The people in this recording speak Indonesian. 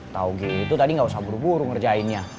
tau gitu tadi gak usah buru buru ngerjainnya